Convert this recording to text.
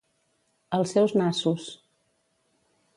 Als seus nassos.